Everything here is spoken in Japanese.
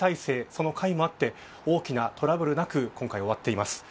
その甲斐もあって、大きなトラブルなく今回、終わっています。